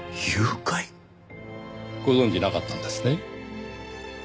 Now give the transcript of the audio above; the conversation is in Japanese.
ご存じなかったんですね。